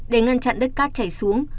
để ngăn chặn đất cát chảy xuống